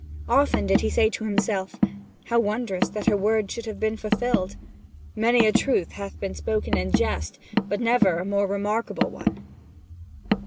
Often did he say to himself; 'How wondrous that her words should have been fulfilled! Many a truth hath been spoken in jest, but never a more remarkable one!'